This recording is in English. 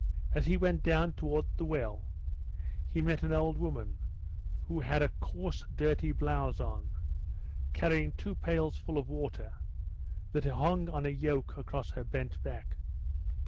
As he went down towards the well, he met an old woman, who had a coarse dirty blouse on, carrying two pails full of water, that hung on a yoke across her bent back.